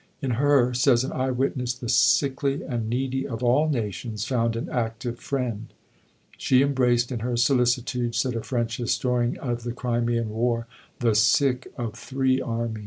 In her, says an eye witness, the sickly and needy of all nations found an active friend. "She embraced in her solicitude," said a French historian of the Crimean War, "the sick of three armies."